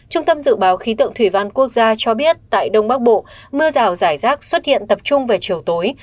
trung tâm dự báo khí tượng thủy văn quốc gia cho biết tại đông bắc bộ mưa rào rải rác xuất hiện tập trung về chiều tối